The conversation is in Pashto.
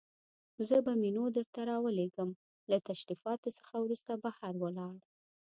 زه به منیو درته راولېږم، له تشریفاتو څخه وروسته بهر ولاړ.